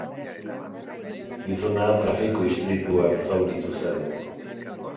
Gizona trafiko-istripuan zauritu zen.